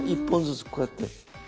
１本ずつこうやって。